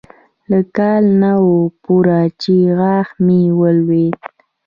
لا کال نه و پوره چې غاښ مې ولوېد.